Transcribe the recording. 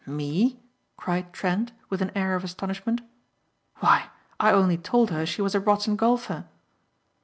"Me?" cried Trent with an air of astonishment, "why I only told her she was a rotten golfer."